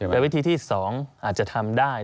แต่วิธีที่๒อาจจะทำได้